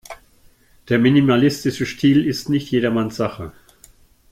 Der minimalistische Stil ist nicht jedermanns Sache.